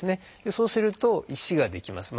そうすると石が出来ます。